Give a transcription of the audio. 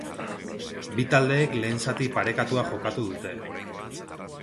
Bi taldeek lehen zati parekatua jokatu dute.